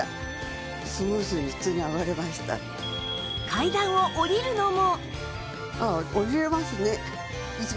階段を下りるのも